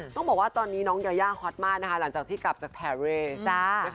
ต้องบอกว่าตอนนี้น้องยายาฮอตมากนะคะหลังจากที่กลับจากแพรเร่